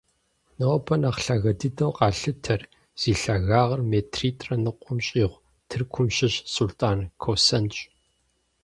Нобэ нэхъ лъагэ дыдэу къалъытэр, зи лъагагъыр метритӏрэ ныкъуэм щӏигъу, Тыркум щыщ Сулътӏан Косэнщ.